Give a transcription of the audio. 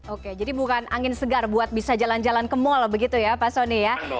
oke jadi bukan angin segar buat bisa jalan jalan ke mal begitu ya pak soni ya